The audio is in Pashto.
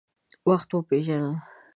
وخت وپیژنه.